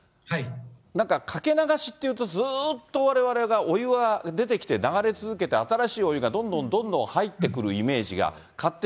なんかかけ流しっていうと、ずっとわれわれがお湯は出てきて流れ続けて、新しいお湯がどんどんどんどん入ってくるイメージが勝手